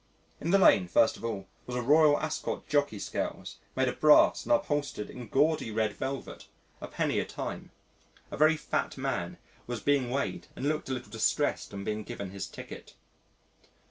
In the Lane, first of all, was a "Royal Ascot Jockey Scales" made of brass and upholstered in gaudy red velvet a penny a time. A very fat man was being weighed and looked a little distressed on being given his ticket.